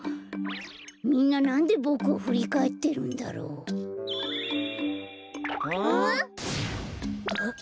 みんななんでボクをふりかえってるんだろう？ん？あっ！